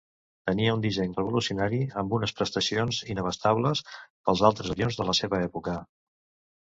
Tenia un disseny revolucionari, amb unes prestacions inabastables pels altres avions de la seva època.